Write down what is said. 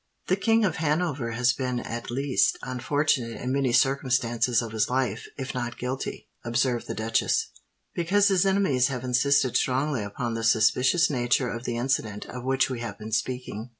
"The King of Hanover has been, at least, unfortunate in many circumstances of his life, if not guilty," observed the duchess; "because his enemies have insisted strongly upon the suspicious nature of the incident of which we have been speaking."